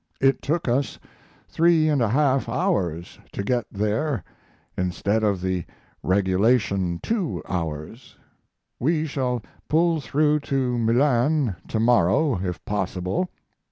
It took us 3 1/2 hours to get there instead of the regulation 2 hours. We shall pull through to Milan to morrow if possible.